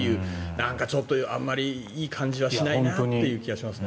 なんかちょっとあまりいい感じはしないなという感じはしますね。